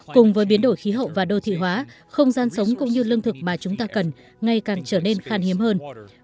cùng với biến đổi khí hậu và đô thị hóa không gian sống cũng như lương thực mà chúng ta cần ngay càng trở nên khan hiếm hơn